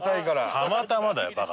たまたまだよバカ！